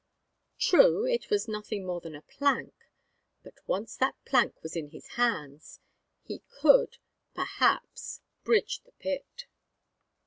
True, it was nothing more than a plank, but once that plank was in his hands, he could, perhaps, bridge the pit.